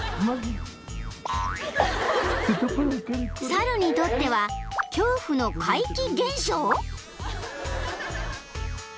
［猿にとっては恐怖の怪奇現象？］